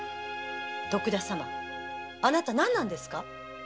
徳田様あなた何なのですか